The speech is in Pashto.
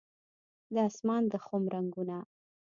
د اسمان د خم رنګونه